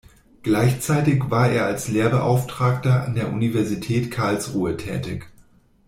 Gleichzeitig war er als Lehrbeauftragter an der Universität Karlsruhe tätig.